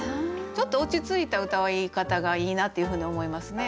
ちょっと落ち着いたうたい方がいいなっていうふうに思いますね。